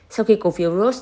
sau khi cổ phiếu ros